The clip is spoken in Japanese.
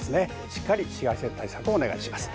しっかり対策をお願いします。